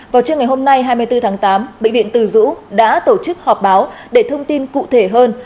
vào trưa ngày hôm nay hai mươi bốn tháng tám bệnh viện từ dũ đã tổ chức họp báo để thông tin cụ thể hơn